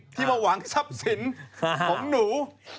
ที่มาหวังทรัพย์สินของหนู